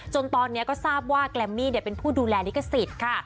จนตอนนี้ก็ทราบว่าแกรมมี่เป็นผู้ดูแลลิขสิทธิ์ค่ะ